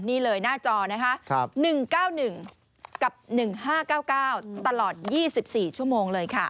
นี่เลยหน้าจอนะคะ๑๙๑กับ๑๕๙๙ตลอด๒๔ชั่วโมงเลยค่ะ